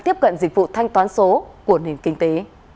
tiếp cận dịch vụ thanh toán số của nền kinh tế